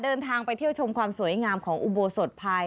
เดินทางไปเที่ยวชมความสวยงามของอุโบสถภัย